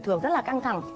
thường rất là căng thẳng